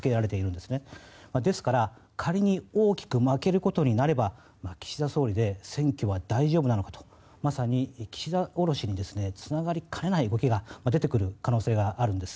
ですから仮に大きく負けることになれば岸田総理で選挙は大丈夫なのかとまさに岸田降ろしにつながりかねない動きが出てくる可能性があるんです。